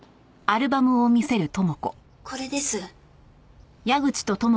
これです。